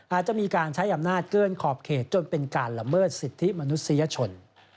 อาจจะมีการใช้อำนาจเกินขอบเขตจนเป็นการละเมิดสิทธิมนุษยชน